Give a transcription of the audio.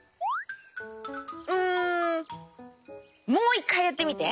んもういっかいやってみて！